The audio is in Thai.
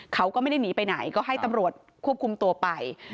เขาก็ไม่ได้หนีไปไหนก็ให้ตำรวจควบคุมตัวไป